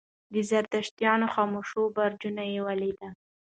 د زردشتانو خاموشه برجونه یې ولیدل.